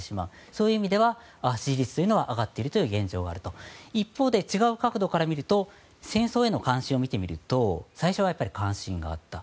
そういう意味では支持率は上がっているという現状があると一方で違う角度から見ると戦争への関心を見てみると最初はやっぱり関心があった。